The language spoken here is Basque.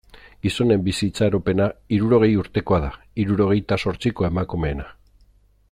Gizonen bizi itxaropena hirurogei urtekoa da, hirurogeita zortzikoa emakumeena.